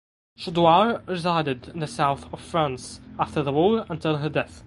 Chaudoir resided in the south of France after the war until her death.